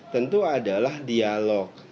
tentu adalah dialog